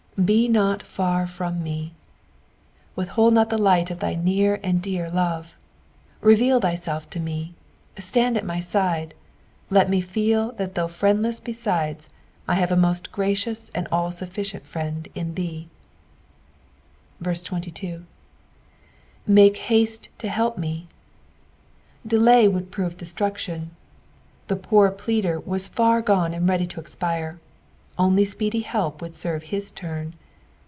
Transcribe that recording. "Be not far from me." Withhold not the light of thy near and dear love. Reveal thyself to me. Stand at my side. Let me feel that though friendless besides, I have a most gracioua and all sufficient friend in thee. 22. "Make hatte to help ne." Delay would prove deatruction. The poor pleader was far gone and ready to expire, only apeedy help would serve his turn.